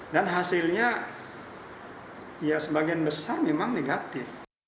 dan hasilnya ya sebagian besar memang negatif